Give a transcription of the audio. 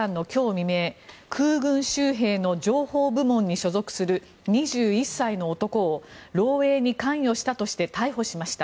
未明空軍州兵の情報部門に所属する２１歳の男を漏えいに関与したとして逮捕しました。